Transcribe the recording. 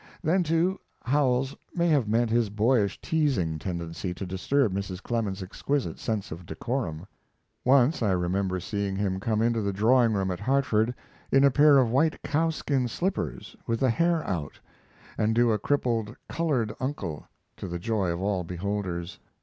Then, too, Howells may have meant his boyish teasing tendency to disturb Mrs. Clemens's exquisite sense of decorum. Once I remember seeing him come into his drawing room at Hartford in a pair of white cowskin slippers with the hair out, and do a crippled colored uncle, to the joy of all beholders.